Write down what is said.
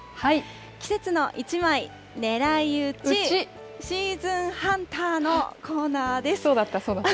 季節の一枚狙い撃ち、シーズンハンターのコーナーです。